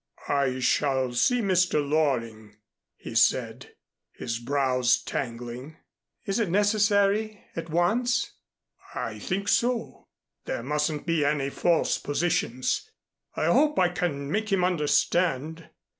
"I shall see Mr. Loring," he said, his brows tangling. "Is it necessary at once?" "I think so. There mustn't be any false positions. I hope I can make him understand.